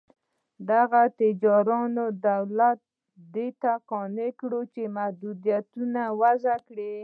دغو تاجرانو دولت دې ته قانع کړ چې محدودیتونه وضع کړي.